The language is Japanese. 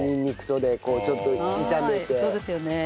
そうですよね。